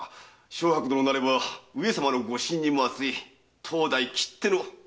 正伯殿なれば上様のご信任も厚い当代きっての名医。